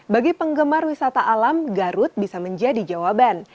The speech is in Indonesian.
bagi penggemar wisata alam garut bisa menjadi jawaban